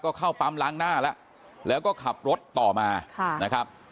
ก็เข้าปั๊มล้างหน้าแล้วแล้วก็ขับรถต่อมานะครับ